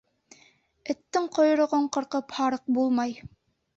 Эттең ҡойроғон ҡырҡып һарыҡ булмай.